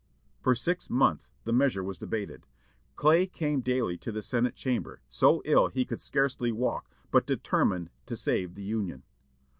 For six months the measure was debated. Clay came daily to the Senate chamber, so ill he could scarcely walk, but determined to save the Union.